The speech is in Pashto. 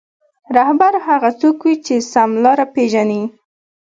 رهبر هغه څوک وي چې سمه لاره پېژني.